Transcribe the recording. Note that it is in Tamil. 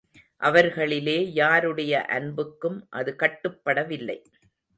அவர்களிலே யாருடைய அன்புக்கும் அது கட்டுப்படவில்லை.